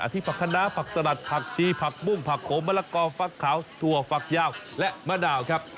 อาทิตย์ผักขนาผักสลัดผักชีผักมุ่งผักโขมมะละกอผักขาวถั่วผักยาวและมะหน่าวครับ